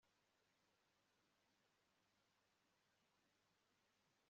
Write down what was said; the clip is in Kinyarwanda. umunyabyaha asesagura ibyo akesha uwamwishingiye